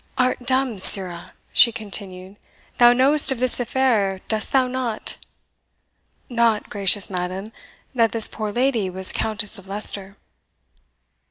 "Art dumb, sirrah?" she continued; "thou knowest of this affair dost thou not?" "Not, gracious madam, that this poor lady was Countess of Leicester."